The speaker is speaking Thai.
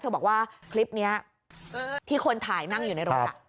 บอกว่าคลิปนี้ที่คนถ่ายนั่งอยู่ในรถ